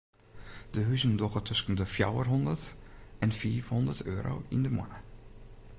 Dy huzen dogge tusken de fjouwer hondert en fiif hondert euro yn de moanne.